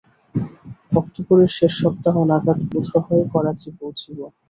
অক্টোবরের শেষ সপ্তাহ নাগাদ বোধ হয় করাচি পৌঁছিব।